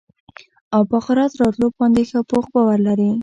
او په آخرت راتلو باندي ښه پوخ باور لري